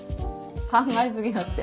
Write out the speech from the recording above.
考え過ぎだって。